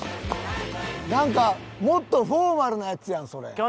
なんかもっとフォーマルなやつやんそれ。